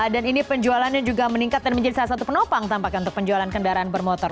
dan ini penjualannya juga meningkat dan menjadi salah satu penopang tampaknya untuk penjualan kendaraan bermotor